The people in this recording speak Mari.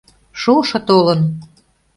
Шошо толын!